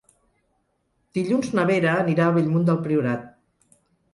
Dilluns na Vera anirà a Bellmunt del Priorat.